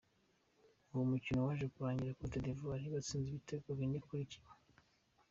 Uwo mukino waje kurangira Cote d’Ivoire ibatsinze ibitego bine kuri kimwe.